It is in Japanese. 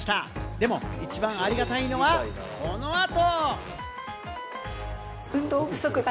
でも一番ありがたいのは、この後！